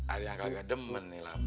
ada yang agak demen nih